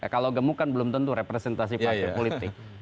kalau gemuk kan belum tentu representasi partai politik